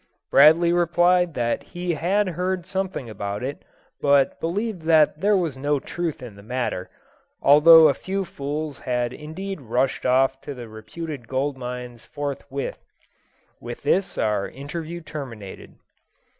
Bradley replied that he had heard something about it, but believed that there was no truth in the matter, although a few fools had indeed rushed off to the reputed gold mines forthwith. With this our interview terminated.